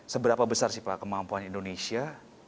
seberapa besar sih pak kemampuan indonesia